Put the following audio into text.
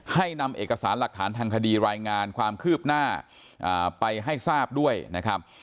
ให้นำเอกสารหลักฐานทางคดีรายงานความคืบหน้าไปให้ทราบด้วยนะครับ